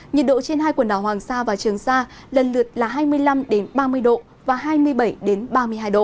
nhiệt độ trên hai quần đảo hoàng sa và trường sa lần lượt là hai mươi năm ba mươi độ và hai mươi bảy ba mươi hai độ